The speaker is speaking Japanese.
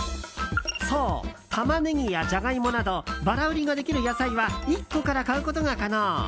そうタマネギやジャガイモなどバラ売りができる野菜は１個から買うことが可能。